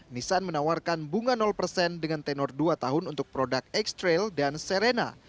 nissan menawarkan bunga persen dengan tenor dua tahun untuk produk x trail dan serena